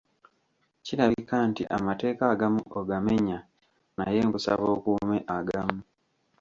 Kirabika nti amateeka agamu ogamenya naye nkusaba okuume agamu.